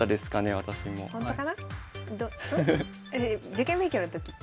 受験勉強の時って。